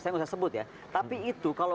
saya nggak usah sebut ya tapi itu kalau